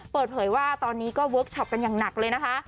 เปิดเผยว่าตอนนี้ก็เวิร์คชอปกันอย่างหนักเลยนะคะ